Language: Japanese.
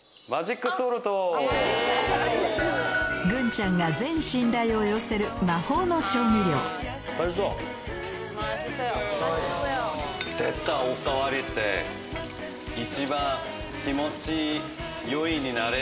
グンちゃんが全信頼を寄せる魔法の調味料すごい！